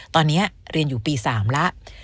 ตอนนี้เรียนอยู่ปี๓แล้ว